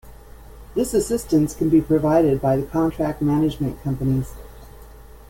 This assistance can be provided by the contract management companies.